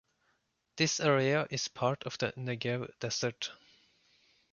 This area is a part of the Negev desert.